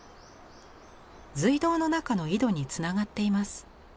隧道の中の井戸につながっています。